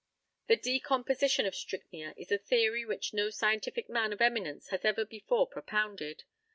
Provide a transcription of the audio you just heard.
The decomposition of strychnia is a theory which no scientific man of eminence has ever before propounded.